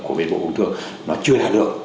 của bộ công thương nó chưa là được